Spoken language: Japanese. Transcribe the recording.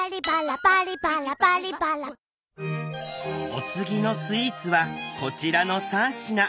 お次のスイーツはこちらの３品。